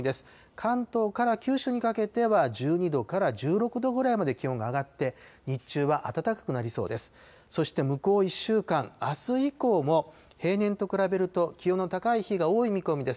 関東から九州にかけては１２度から１６度ぐらいまで気温が上がって、日中は暖かくなりそうです。